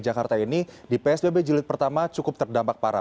jakarta ini di psbb jelit pertama cukup terdampak parah